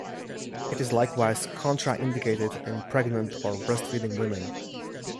It is likewise contraindicated in pregnant or breastfeeding women.